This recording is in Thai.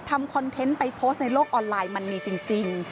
คอนเทนต์ไปโพสต์ในโลกออนไลน์มันมีจริง